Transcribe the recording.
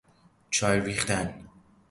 چای ریختن